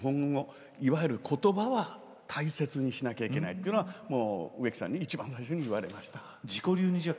いわゆる、ことばは大切にしなければいけないというのは植木さんに一番最初に言われました。